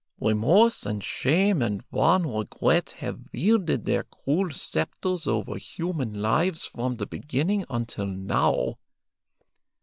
Remorse and shame and wan regret have wielded their cruel sceptres over human lives from the beginning until now.